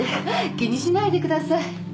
気にしないでください。